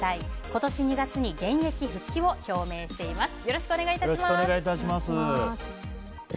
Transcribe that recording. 今年２月に現役復帰を表明しています。